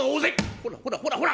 ほらほらほらほら！